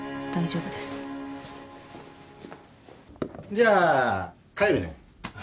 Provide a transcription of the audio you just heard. じゃあ帰るね。